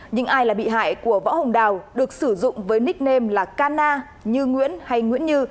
nhưng ai là bị hại của võ hồng đào được sử dụng với nickname là can na như nguyễn hay nguyễn như